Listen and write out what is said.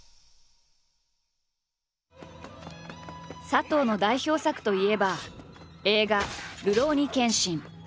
佐藤の代表作といえば映画「るろうに剣心」。